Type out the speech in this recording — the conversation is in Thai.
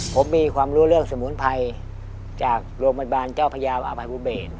ผมมีความรู้เรื่องสมุนไพรจากโรคบรรดาเจ้าพระยาวอภัยบุตรเบส